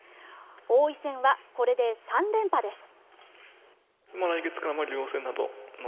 王位戦はこれで３連覇です。